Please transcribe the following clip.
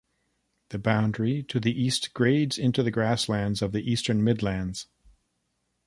The boundary to the east grades into the grasslands of the Eastern Midlands.